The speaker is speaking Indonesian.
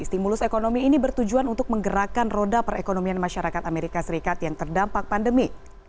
stimulus ekonomi ini bertujuan untuk menggerakkan roda perekonomian masyarakat amerika serikat yang terdampak pandemi